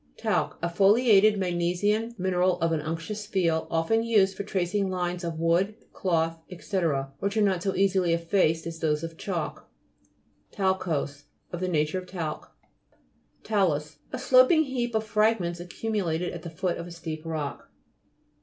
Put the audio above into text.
TALC A foliated magnesian mineral of an unctuous feel, often used for tracing lines on wood, cloth, &c. which are not so easily effaced as those of chalk. TAL'COSE Of the nature of talc. TA'LUS A sloping heap of fragments accumulated at the foot of a steep rock.